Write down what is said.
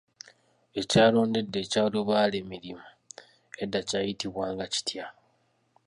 Ekyalo Ndejje ekya lubaale mirimu edda kyayitibwanga kitya?